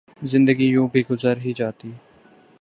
زندگی یوں بھی گزر ہی جاتی